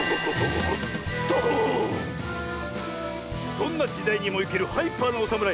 どんなじだいにもいけるハイパーなおさむらい